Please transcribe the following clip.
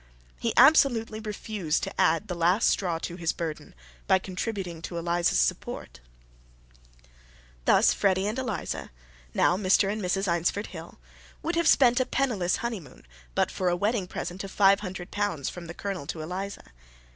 He absolutely refused to add the last straw to his burden by contributing to Eliza's support. Thus Freddy and Eliza, now Mr. and Mrs. Eynsford Hill, would have spent a penniless honeymoon but for a wedding present of 500 pounds from the Colonel to Eliza.